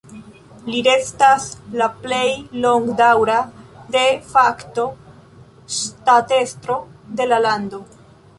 Li restas la plej longdaŭra "de facto" ŝtatestro de la lando.